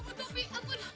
tidak tidak tidak